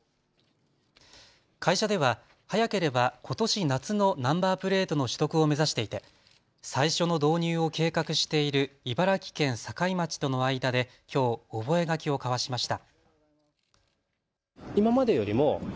会社では早ければことし夏のナンバープレートの取得を目指していて最初の導入を計画している茨城県境町との間できょう覚書を交わしました。